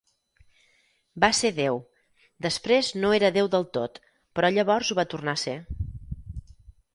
Va ser Déu, després no era Déu del tot però llavors ho va tornar a ser.